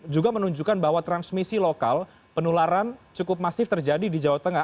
juga menunjukkan bahwa transmisi lokal penularan cukup masif terjadi di jawa tengah